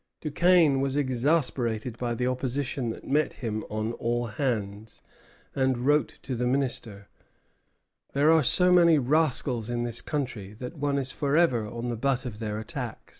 Duquesne was exasperated by the opposition that met him on all hands, and wrote to the Minister: "There are so many rascals in this country that one is forever the butt of their attacks."